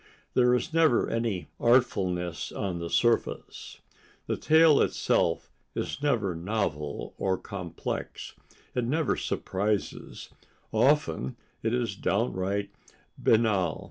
There is never any artfulness on the surface. The tale itself is never novel, or complex; it never surprises; often it is downright banal.